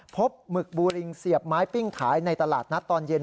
หมึกบูริงเสียบไม้ปิ้งขายในตลาดนัดตอนเย็น